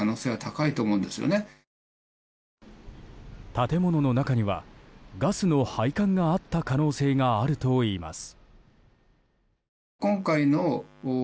建物の中にはガスの配管があった可能性があるといいます。